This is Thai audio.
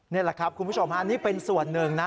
นี่แหละครับคุณผู้ชมฮะนี่เป็นส่วนหนึ่งนะ